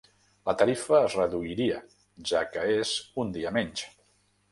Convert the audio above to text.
la tarifa es reduiria, ja que és un dia menys.